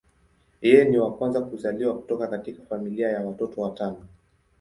Yeye ni wa kwanza kuzaliwa kutoka katika familia ya watoto watano.